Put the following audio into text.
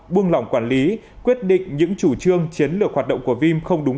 buông lỏng quản lý quyết định những chủ trương chiến lược hoạt động của vim không đúng